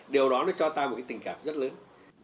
điều đó nó cho ta một cái tình cảm rất lớn